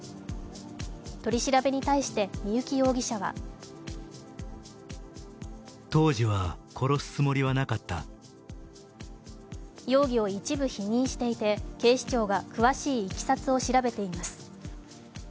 取り調べに対して三幸容疑者は容疑を一部否認していて警視庁が詳しいいきさつを調べています。